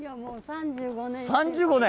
３５年！